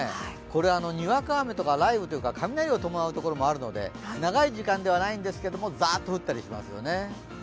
これ、にわか雨とか雷雨、雷を伴うところもありますので長い時間ではないんですけれども、ザッと降ったりしますよね。